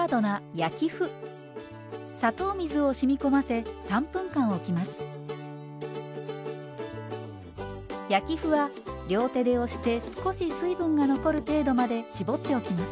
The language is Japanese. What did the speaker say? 焼き麩は両手で押して少し水分が残る程度まで絞っておきます。